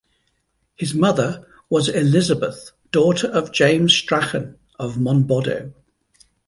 His mother was Elizabeth, daughter of James Strachan of Monboddo.